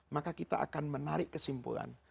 maka kita akan menarik kesimpulan